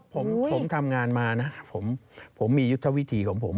ผมทำงานมานะผมมียุทธวิธีของผม